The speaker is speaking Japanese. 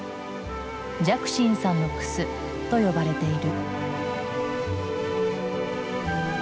「寂心さんのクス」と呼ばれている。